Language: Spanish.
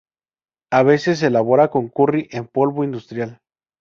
A veces se elabora con curry en polvo industrial.